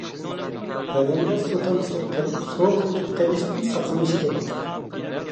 بەدەندە سۇ تامچىلىرى قېلىپ سوغۇق ئۆتۈپ قېلىشتىن ساقلىنىش كېرەك.